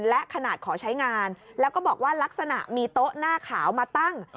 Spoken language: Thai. และขนาดขอใช้งานแล้วก็บอกว่าลักษณะมีโต๊ะหน้าขาวมาตั้ง